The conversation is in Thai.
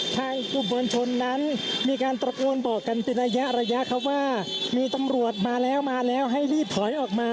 ทางกลุ่มมวลชนนั้นมีการตระโกนบอกกันเป็นระยะระยะครับว่ามีตำรวจมาแล้วมาแล้วให้รีบถอยออกมา